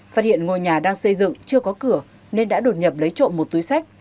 phát hiện ngôi nhà đang xây dựng chưa có cửa nên đã đột nhập lấy trộm một túi sách